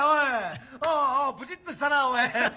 おぉおぉプチっとしたなおい。